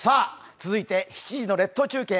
続いて７時の列島中継。